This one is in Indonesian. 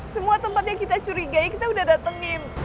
semua tempat yang kita curigai kita udah datengin